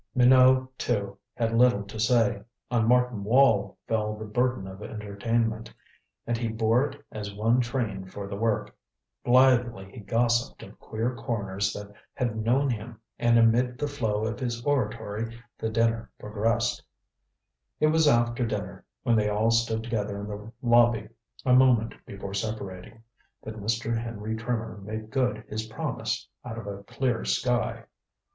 Minot, too, had little to say. On Martin Wall fell the burden of entertainment, and he bore it as one trained for the work. Blithely he gossiped of queer corners that had known him and amid the flow of his oratory the dinner progressed. It was after dinner, when they all stood together in the lobby a moment before separating, that Mr. Henry Trimmer made good his promise out of a clear sky.